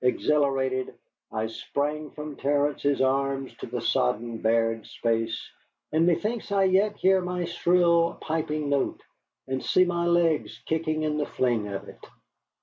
Exhilarated, I sprang from Terence's arms to the sodden, bared space, and methinks I yet hear my shrill, piping note, and see my legs kicking in the fling of it.